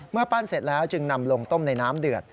ปั้นเสร็จแล้วจึงนำลงต้มในน้ำเดือด